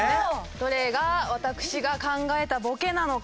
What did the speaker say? どれが私が考えたボケなのか。